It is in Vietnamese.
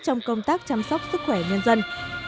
trong công tác chăm sóc sức khỏe nhân dân